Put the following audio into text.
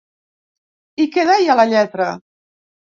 I què deia la lletra?